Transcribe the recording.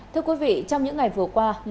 thưa quý vị trong những ngày vừa qua